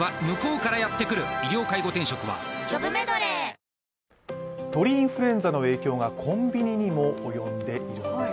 糖質ゼロ鳥インフルエンザの影響がコンビニにも及んでいるんです。